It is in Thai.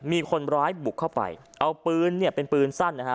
มีคนร้ายบุกเข้าไปเอาปืนเนี่ยเป็นปืนสั้นนะฮะ